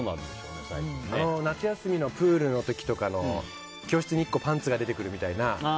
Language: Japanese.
夏休みのプールの時とかの教室に１個パンツが出てくるみたいな。